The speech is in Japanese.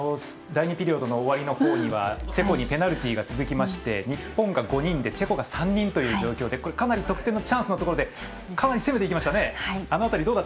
第２ピリオドの終わりのほうにはチェコにペナルティーが続いて日本が５人でチェコが３人という状況でかなり得点のチャンスでかなり攻めていきましたね。